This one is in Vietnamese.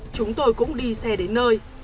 chúng tôi cũng đi xe đến nơi